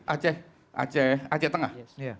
aceh aceh tengah